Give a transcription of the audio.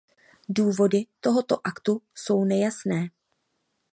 Důvody tohoto aktu jsou nejasné.